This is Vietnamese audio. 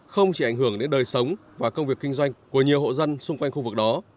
không chỉ ảnh hưởng đến đời sống và công việc kinh doanh của nhiều hộ dân xung quanh khu vực đó